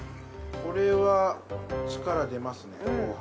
これは力出ますね後半。